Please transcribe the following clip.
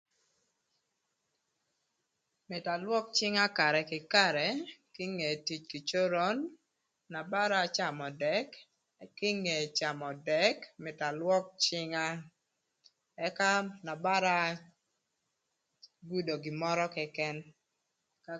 Mïtö alwök cïnga karë kï karë kinge tic kï coron, na bara acamö dëk, kinge camö dëk mïtö alwök cïnga ëka na bara agudo gin mörö këkën